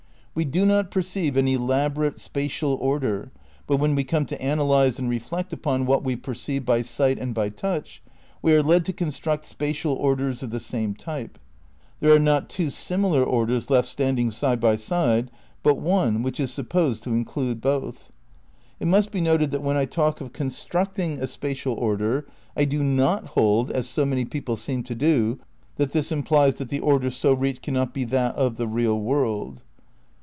We do not perceive an elaborate spatial order, but when we come to analyse and reflect upon what we perceive by sight and by touch we are led to construct spatial orders of the same type" ... "there are not two similar orders left stand ing side by side but one which is supposed to include both. It must be noted that when I talk of 'constructing' a spatial order I do not hold, as so many people seem to do, that this implies that the order so reached cannot be that of the real world."